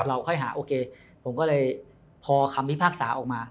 ค่อยหาโอเคผมก็เลยพอคำพิพากษาออกมา